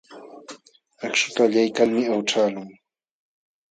Akhuta allaykalmi awchaqlun.